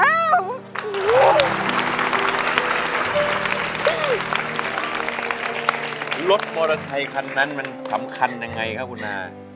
แล้วลดมอเตอร์ไชยคันนั้นมันคำคัญยังไงคะพี่นา